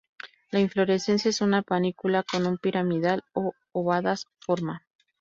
La inflorescencia es una panícula con un piramidal o ovadas forma.